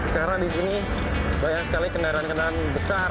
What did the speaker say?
karena di sini banyak sekali kendaraan kendaraan besar